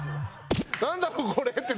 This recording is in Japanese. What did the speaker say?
「なんだろう？これ」って。